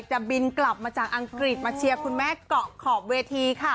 จะบินกลับมาจากอังกฤษมาเชียร์คุณแม่เกาะขอบเวทีค่ะ